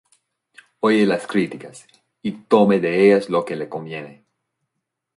Oye las críticas, y toma de ellas lo que le conviene.